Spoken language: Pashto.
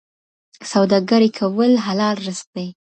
سوداګري کول حلال رزق دی.